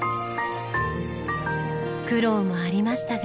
苦労もありましたが。